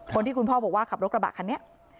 คนที่คุณพ่อบอกว่าขับรถกระบะคันนี้